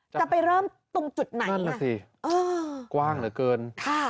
จะไปเริ่มตรงจุดไหนน่ะเออค่ะนั่นแหละสิกว้างเหลือเกิน